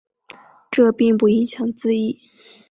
这并不影响字义。